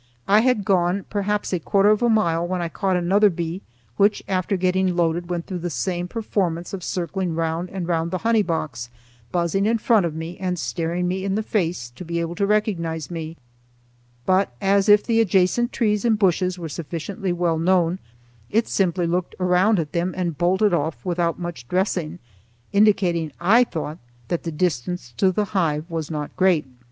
I had gone perhaps a quarter of a mile when I caught another bee, which, after getting loaded, went through the same performance of circling round and round the honey box, buzzing in front of me and staring me in the face to be able to recognize me; but as if the adjacent trees and bushes were sufficiently well known, it simply looked around at them and bolted off without much dressing, indicating, I thought, that the distance to the hive was not great.